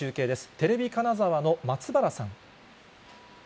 テレビ金沢の松原さん。